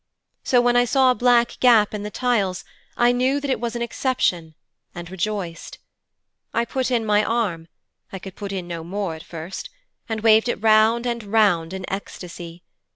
So when I saw a black gap in the tiles, I knew that it was an exception, and rejoiced. I put in my arm I could put in no more at first and waved it round and round in ecstasy.